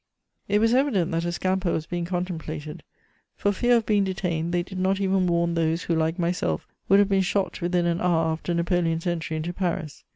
* It was evident that a scamper was being contemplated: for fear of being detained, they did not even warn those who, like myself, would have been shot within an hour after Napoleon's entry into Paris.